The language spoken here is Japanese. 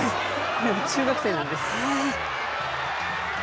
中学生なんです。